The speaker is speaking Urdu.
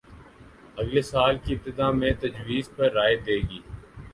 اگلے سال کی ابتدا میں تجویز پر رائے دے گی